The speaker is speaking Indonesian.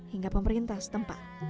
hingga pemerintah setempat